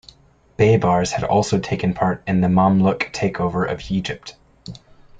Baibars had also taken part in the Mamluk takeover of Egypt.